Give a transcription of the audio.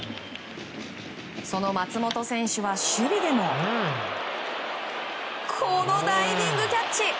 その松本選手は、守備でもこのダイビングキャッチ！